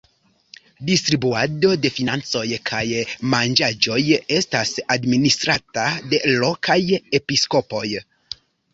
Distribuado de financoj kaj manĝaĵoj estas administrata de lokaj episkopoj.